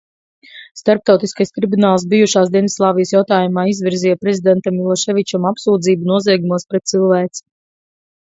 Starptautiskais tribunāls bijušās Dienvidslāvijas jautājumā izvirzīja prezidentam Miloševičam apsūdzību noziegumos pret cilvēci.